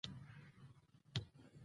په یوه مچکه هم نه.